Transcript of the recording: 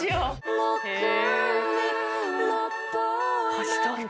貸したんだ。